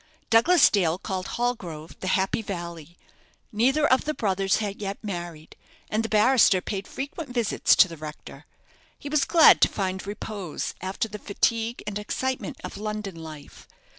Douglas Dale called Hallgrove the Happy Valley. Neither of the brothers had yet married, and the barrister paid frequent visits to the rector. He was glad to find repose after the fatigue and excitement of London life.